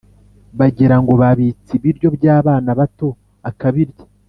bagira ngo babitse ibiryo by'abana bato akabirya;